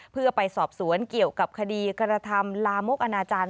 เพื่อไปสอบสวนเกี่ยวกับคดีกระทำลามกอนาจารย์